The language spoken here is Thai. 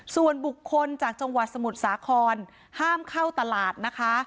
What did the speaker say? ส่วนบุคคลจากจังหวัดสมุทรสาครห้ามเข้าตลาดนะคะ